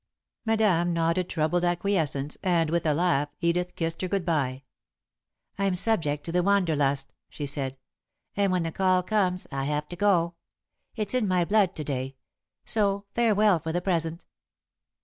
Madame nodded troubled acquiescence, and, with a laugh, Edith kissed her good bye. "I'm subject to the Wander lust," she said, "and when the call comes, I have to go. It's in my blood to day, so farewell for the present."